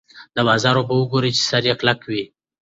د بازار اوبه وګورئ چې سر یې کلک وي.